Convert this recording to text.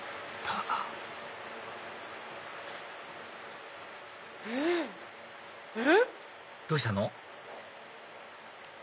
うん⁉どうしたの？